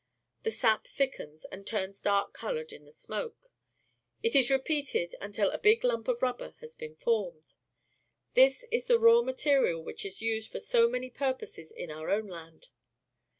The sap thickens and turns dark coloured in the smoke. This is repeated until a big lump of rubber has been formed. This is the raw material which is used for so many purposes in our own land.